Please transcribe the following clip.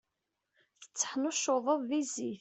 Tetteḥnuccuḍeḍ di zzit.